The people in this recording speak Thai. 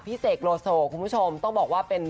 พี่เศษโหลโซ่คุณผู้ชมต้องบอกว่าเป็น